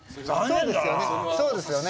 そうですよね。